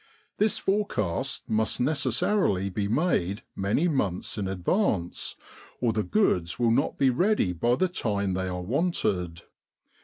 This forecast must necessarily be made many months in advance, or the goods will not be ready by the time they are wanted.